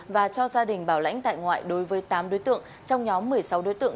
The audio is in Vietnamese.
và cho gia đình bảo lãnh tại ngoại đối với tám đối tượng trong nhóm một mươi sáu đối tượng